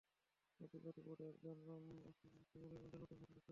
পত্রিকাটি পড়ে একজন অসহায় মানুষও মনের মধ্যে নতুন স্বপ্ন দেখতে পারেন।